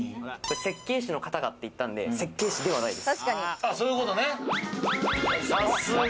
設計士の方がって言ったので、設計士ではないです。